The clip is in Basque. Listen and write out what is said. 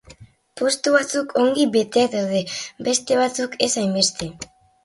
Postu batzuk ongi beteak daude, beste batzuk ez hainbeste.